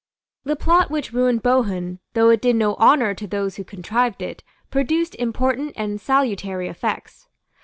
The plot which ruined Bohun, though it did no honour to those who contrived it, produced important and salutary effects.